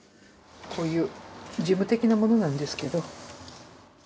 こういう事務的なものなんですけど。